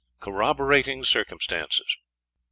CORROBORATING CIRCUMSTANCES. 1.